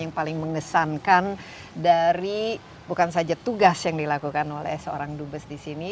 yang paling mengesankan dari bukan saja tugas yang dilakukan oleh seorang dubes di sini